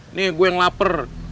ini gue yang lapar